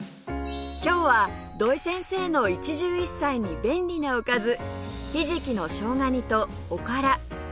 今日は土井先生の一汁一菜に便利なおかずひじきのしょうが煮とおから